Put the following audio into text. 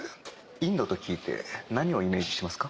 インドと聞いて何をイメージしますか？